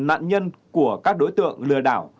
nạn nhân của các đối tượng lừa đảo